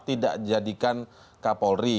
tidak jadikan kapolri